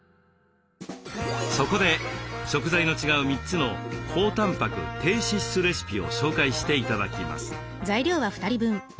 そこで食材の違う３つの高たんぱく低脂質レシピを紹介して頂きます。